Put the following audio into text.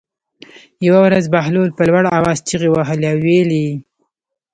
یوه ورځ بهلول په لوړ آواز چغې وهلې او ویلې یې.